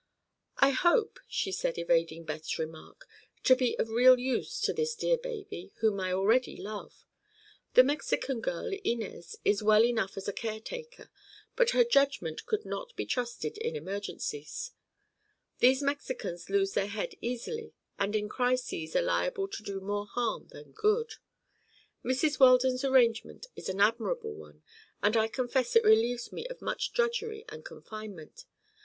"I hope," she said, evading Beth's remark, "to be of real use to this dear baby, whom I already love. The Mexican girl, Inez, is well enough as a caretaker, but her judgment could not be trusted in emergencies. These Mexicans lose their heads easily and in crises are liable to do more harm than good. Mrs. Weldon's arrangement is an admirable one and I confess it relieves me of much drudgery and confinement.